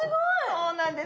そうなんです。